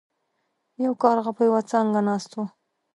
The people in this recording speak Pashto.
یو کارغه په یوه څانګه ناست و.